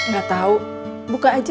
gak tau buka aja